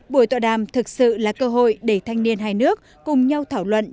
buổi tọa đàm thực sự là cơ hội để thanh niên hai nước cùng nhau thảo luận